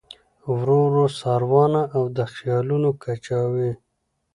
ورو ورو ساروانه او د خیالونو کجاوې